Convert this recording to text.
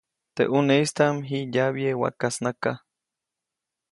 Teʼ ʼuneʼistaʼm jiʼ yabye wakasnaka.